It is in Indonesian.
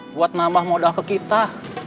buat nambah modal ke kita